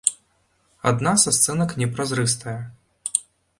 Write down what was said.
Адна са сценак непразрыстая.